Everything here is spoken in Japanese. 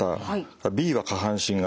Ｂは下半身型。